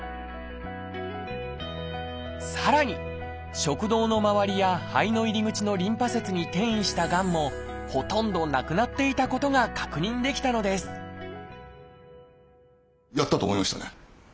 さらに食道のまわりや肺の入り口のリンパ節に転移したがんもほとんどなくなっていたことが確認できたのですえっ？